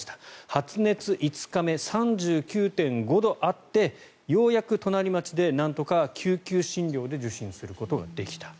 発熱５日目、３９．５度あってようやく隣町でなんとか救急診療で受診することができた。